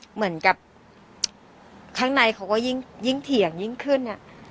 เหมือนกับข้างในเขาก็ยิ่งเถียงยิ่งขึ้น